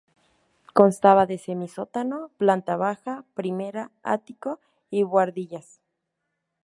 Constaba de semisótano, planta baja, primera, áticos y buhardillas.